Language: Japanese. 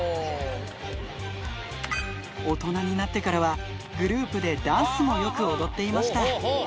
大人になってからは、グループでダンスもよく踊っていました。